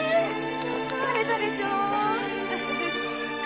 疲れたでしょう